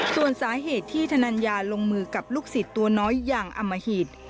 ส่วนสาเหตุที่ธนัญญาลงมือกับลูกศิษย์ตัวน้อยอย่างอมหิต